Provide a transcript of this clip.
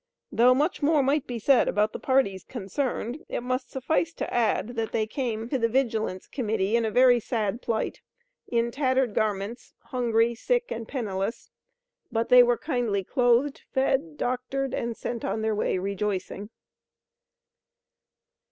Though much more might be said about the parties concerned, it must suffice to add that they came to the Vigilance Committee in a very sad plight in tattered garments, hungry, sick, and penniless; but they were kindly clothed, fed, doctored, and sent on their way rejoicing.